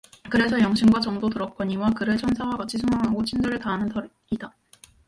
그래서 영신과 정도 들었거니와 그를 천사와 같이 숭앙하고 친절을 다하는 터이다.